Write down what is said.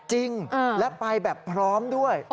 จริงและไปแบบพร้อมด้วย